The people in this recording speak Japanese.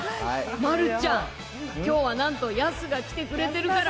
丸ちゃん、きょうはなんと、ヤスが来てくれてるから。